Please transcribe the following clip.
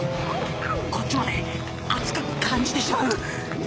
こっちまで熱く感じてしまう！